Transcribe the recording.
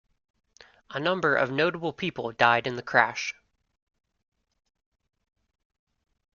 A number of notable people died in the crash.